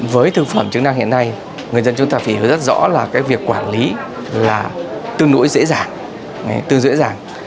với thực phẩm chức năng hiện nay người dân chúng ta phải rất rõ là việc quản lý là tương đối dễ dàng